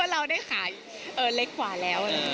เราได้ขาเล็กกว่าแล้ว